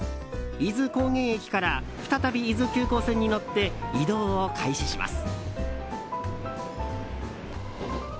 伊豆高原駅から再び伊豆急行線に乗って移動を開始します。